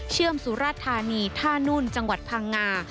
เชื่อมสุราธารณีท่านุ่นจังหวัดพังงา